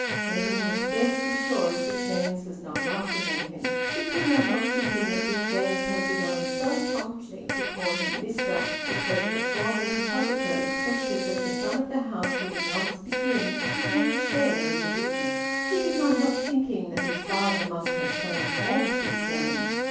Edwin was scarcely sure if Big James was not laughing at him. He could not help thinking that Big James had begun so promptly to call him `mister' because the foreman compositor expected that the son of the house would at once begin to take a share in the business. He could not help thinking that his father must have so informed Big James.